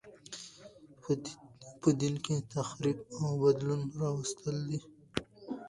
په دین کښي تحریف او بدلون راوستل دي.